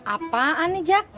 apaan nih jak